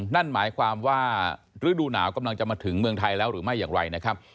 นั่นหมายความว่าฤดูหนาวกำลังจะมาถึงเมืองไทยแล้วหรือไม่อย่างไรนะครับ